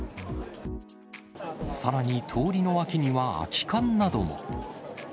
さらに通りの脇には空き缶なども。